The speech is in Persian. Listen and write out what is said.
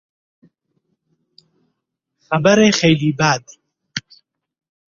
خبر خیلی بد